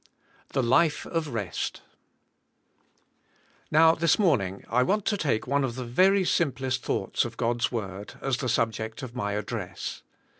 XEbe %itc ot IRcst Now, this morning 1 want to take one of the very simplest thoug hts of God's word as the subject of my address.